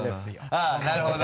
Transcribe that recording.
あぁなるほど。